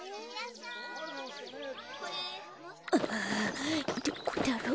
あどこだろう。